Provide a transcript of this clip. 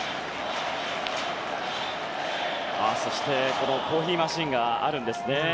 そしてコーヒーマシンがあるんですね。